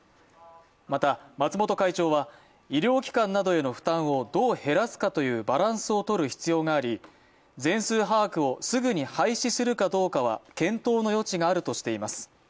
また、松本会長は、医療機関などへの負担をどう減らすかというバランスをとる必要があり全数把握をすぐに廃止するかどうかは検討の余地があるとしています。